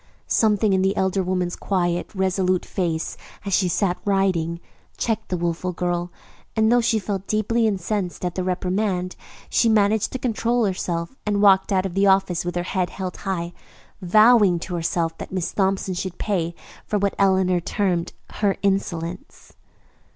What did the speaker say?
Something in the elder woman's quiet, resolute face as she sat writing checked the wilful girl, and though she felt deeply incensed at the reprimand, she managed to control herself and walked out of the office with her head held high, vowing to herself that Miss Thompson should pay for what Eleanor termed "her insolence."